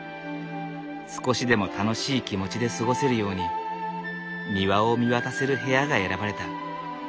少しでも楽しい気持ちで過ごせるように庭を見渡せる部屋が選ばれた。